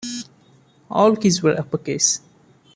All keys were uppercase.